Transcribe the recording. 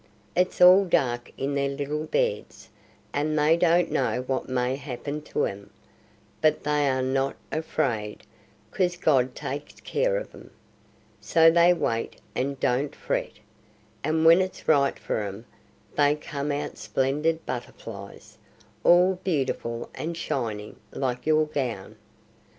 It's all dark in their little beds, and they don't know what may happen to 'em; but they are not afraid 'cause God takes care of 'em. So they wait and don't fret, and when it's right for 'em they come out splendid butterflies, all beautiful and shining like your gown.